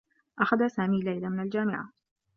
أخذ سامي ليلى من الجامعة.